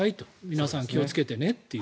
皆さん、気をつけてねという。